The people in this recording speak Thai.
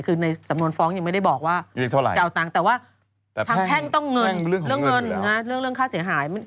คือในสำนวนฟ้องยังไม่ได้บอกว่าจะเอาตังค์แต่ว่าทางแพ่งต้องเงินเรื่องเงินเรื่องค่าเสียหาย